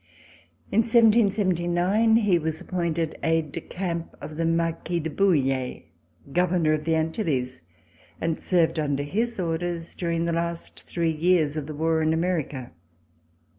In 1779 he was appointed aide de camp of the Marquis de Bouille, Governor of the Antilles, and served under his orders during the last three years of the war in America.